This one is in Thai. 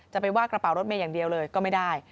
จะไปว่ากระเป๋ารถเมย์อย่างเดียวเลยก็ไม่ได้